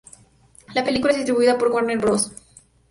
La película es distribuida por Warner Bros.